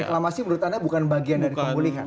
reklamasi menurut anda bukan bagian dari pemulihan